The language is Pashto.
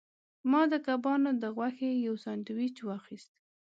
ما د کبانو د غوښې یو سانډویچ واخیست.